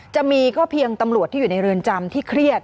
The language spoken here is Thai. จะมีก็เพียงตำรวจที่อยู่ในเรือนจำที่เครียด